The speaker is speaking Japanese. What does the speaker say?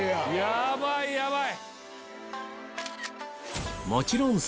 ヤバいヤバい！